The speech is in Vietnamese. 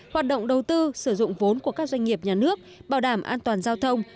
hoạt động đầu tư sử dụng vốn của các doanh nghiệp nhà nước bảo đảm an toàn giao thông